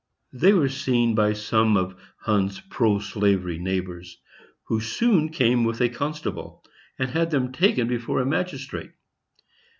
They were seen by some of Hunn's pro slavery neighbors, who soon came with a constable, and had them taken before a magistrate.